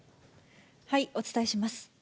お伝えします。